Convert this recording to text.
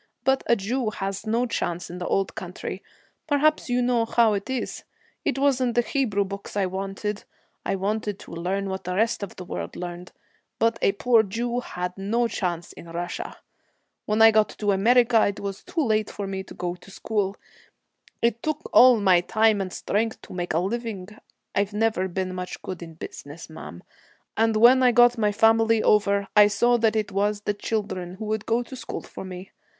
But a Jew has no chance in the old country; perhaps you know how it is. It wasn't the Hebrew books I wanted. I wanted to learn what the rest of the world learned, but a poor Jew had no chance in Russia. When I got to America, it was too late for me to go to school. It took me all my time and strength to make a living I've never been much good in business, ma'am and when I got my family over, I saw that it was the children would go to school for me.